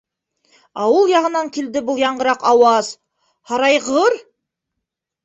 Ауыл яғынан килде был яңғыраҡ ауаз! һарайғыр?!